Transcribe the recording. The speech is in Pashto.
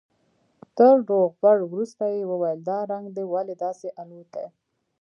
تر روغبړ وروسته يې وويل دا رنگ دې ولې داسې الوتى.